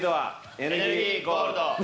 エネルギーゴールド。